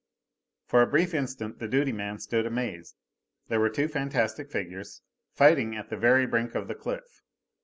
For a brief instant the duty man stood amazed. There were two fantastic figures, fighting at the very brink of the cliff.